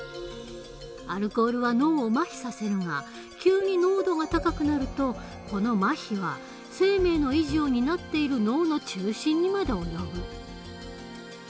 アルコールは脳をまひさせるが急に濃度が高くなるとこのまひは生命の維持を担っている脳の中心にまで及ぶ。